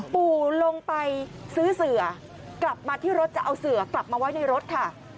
ปู่ลงไปซื้อเสือกลับมาที่รถจะเอาเสือกลับมาไว้ในรถค่ะ